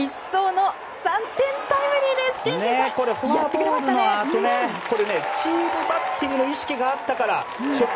フォアボールのあとチームバッティングの意識があったから初球